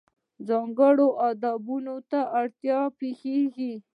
ځانګړو آدابو ته اړتیا پېښېږي.